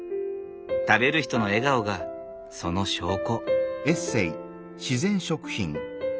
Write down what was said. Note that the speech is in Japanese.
食べる人の笑顔がその証拠。